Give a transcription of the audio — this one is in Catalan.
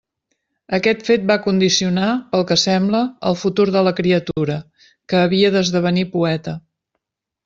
Aquest fet va condicionar, pel que sembla, el futur de la criatura, que havia d'esdevenir poeta.